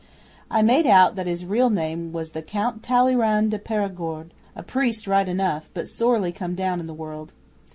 I made out that his real name was the Count Talleyrand de Perigord a priest right enough, but sorely come down in the world.